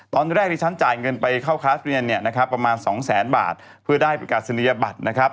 ตอนแรกที่ฉันจ่ายเงินไปเข้าคลาสเรียนเนี่ยนะครับประมาณสองแสนบาทเพื่อได้ประกาศนียบัตรนะครับ